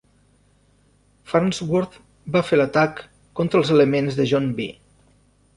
Farnsworth va fer l'atac, contra els elements de John B.